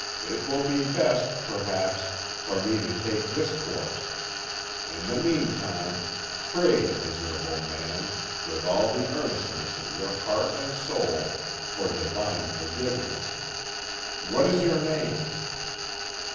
It will be best, perhaps, for me to take this course; in the meantime, pray, miserable man, with all the earnestness of your heart and soul, for Divine forgiveness. What is your name?"